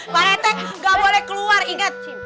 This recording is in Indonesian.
pak rt nggak boleh keluar inget